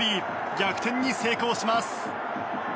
逆転に成功します。